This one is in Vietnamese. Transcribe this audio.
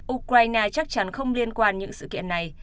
ukraine chắc chắn không liên quan những sự kiện này